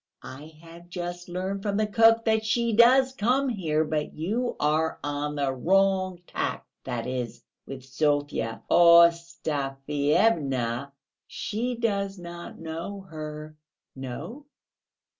"I have just learned from the cook that she does come here; but you are on the wrong tack, that is, with Sofya Ostafyevna ... she does not know her...." "No?